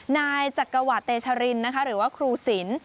นายจักรวาดเตชรินหรือว่าครูสิน